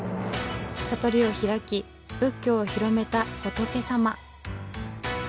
悟りを開き仏教を広めた仏様。